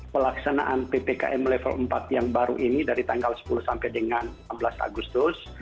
pelaksanaan ppkm level empat yang baru ini dari tanggal sepuluh sampai dengan enam belas agustus